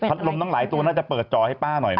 ลมทั้งหลายตัวน่าจะเปิดจอให้ป้าหน่อยนะ